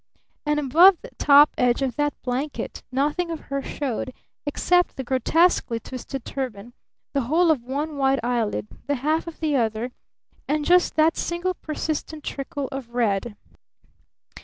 And above the top edge of that blanket nothing of her showed except the grotesquely twisted turban, the whole of one white eyelid, the half of the other, and just that single persistent trickle of red.